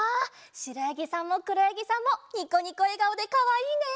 しろやぎさんもくろやぎさんもニコニコえがおでかわいいね！